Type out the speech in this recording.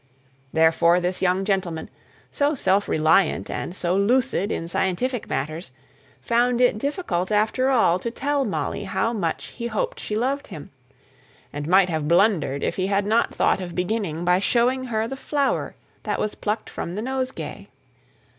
Therefore this young gentleman, so self reliant and so lucid in scientific matters, found it difficult after all to tell Molly how much he hoped she loved him; and might have blundered if he had not thought of beginning by showing her the flower that was plucked from the nosegay.